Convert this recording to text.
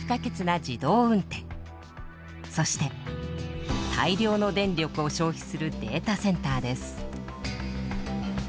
そして大量の電力を消費するデータセンターです。